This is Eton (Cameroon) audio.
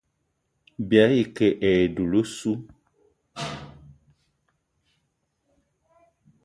Bìayî ke e dula ossu.